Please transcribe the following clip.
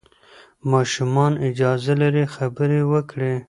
ماشومان اجازه لري خبرې وکړي.